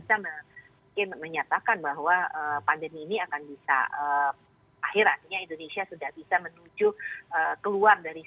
bu nadia berarti kebijakan perlonggaran masker ini juga akan terus dipantau